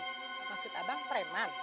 maksud abang preman